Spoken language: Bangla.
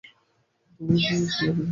তুমি তো একটা লক্ষ্মী ছেলে।